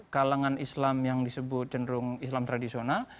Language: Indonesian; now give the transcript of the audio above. kalangan islam yang disebut cenderung islam tradisional